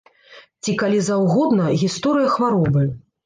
Ці, калі заўгодна, гісторыя хваробы.